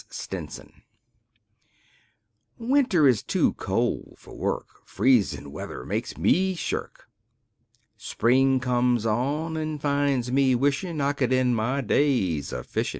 STINSON Winter is too cold fer work; Freezin' weather makes me shirk. Spring comes on an' finds me wishin' I could end my days a fishin'.